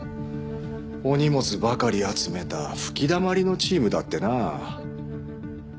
お荷物ばかり集めた吹きだまりのチームだってな。